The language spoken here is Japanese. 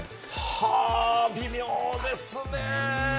はあ、微妙ですね。